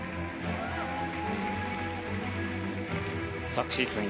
昨シーズン